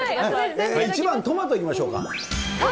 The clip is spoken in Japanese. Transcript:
１番、トマトいきましょうか。